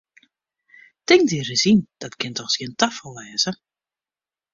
Tink dy ris yn, dat kin dochs gjin tafal wêze!